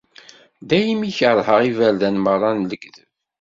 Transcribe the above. Daymi i kerheɣ iberdan merra n lekdeb.